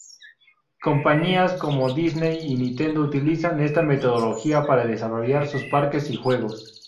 Compañías como Disney y Nintendo utilizan esta metodología para desarrollar sus parques y juegos